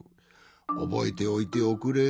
おぼえておいておくれ。